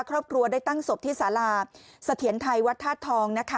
ครอบครัวได้ตั้งศพที่สาราเสถียรไทยวัดธาตุทองนะคะ